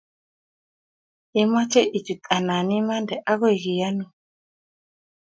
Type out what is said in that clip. ye imeche ichut anan imande agoi keyonun